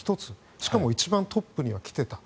しかも一番トップには来ていた。